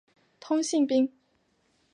通信兵。